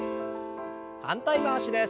反対回しです。